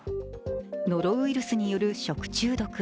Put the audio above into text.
ノロウイルスによる食中毒。